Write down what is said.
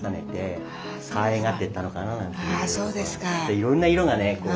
いろんな色がね